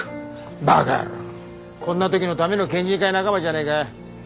バカ野郎こんな時のための県人会仲間じゃねえか。